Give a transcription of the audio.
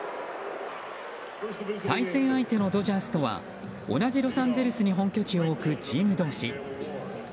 対戦相手のドジャースとは同じロサンゼルスに本拠地を置くチーム同士。